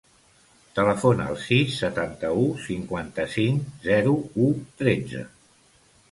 Telefona al sis, setanta-u, cinquanta-cinc, zero, u, tretze.